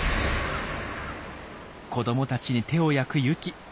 子どもたちに手を焼くユキ。